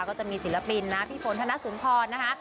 ก็จะมีศิลปินนะพี่ฝนธนสุนทรนะคะ